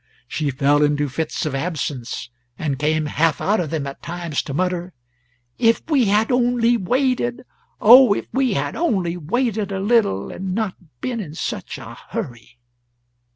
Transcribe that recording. She fell into fits of absence; and came half out of them at times to mutter "If we had only waited! oh, if we had only waited a little, and not been in such a hurry!"